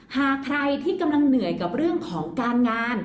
หากใครที่กำลังเหนื่อยกับเรื่องของการงาน